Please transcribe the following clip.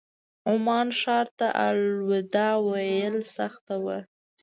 عمان ښار ته الوداع ویل سخته وه.